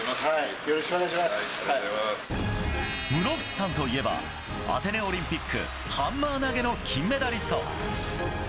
室伏さんといえばアテネオリンピックハンマー投げの金メダリスト。